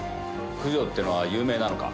九条ってのは有名なのか？